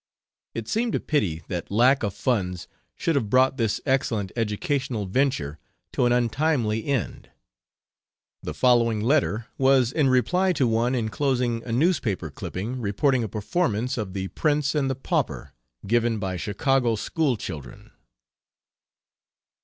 It seemed a pity that lack of funds should have brought this excellent educational venture to an untimely end. The following letter was in reply to one inclosing a newspaper clipping reporting a performance of The Prince and the Pauper, given by Chicago school children.